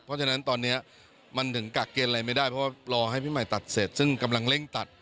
เพราะฉะนั้นตอนนี้มันถึงกักเกณฑ์อะไรไม่ได้เพราะว่ารอให้พี่ใหม่ตัดเสร็จซึ่งกำลังเร่งตัด